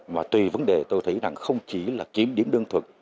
và tùy vấn đề tôi thấy rằng không chỉ là kiếm điểm đơn thuật